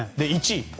１位。